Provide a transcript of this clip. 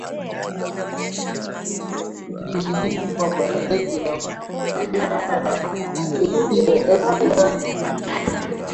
kipindi hiki kwamba zaidi ya Meskhetiya elfu tisini